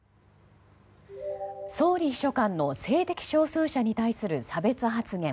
総理秘書官の性的少数者に対する差別発言。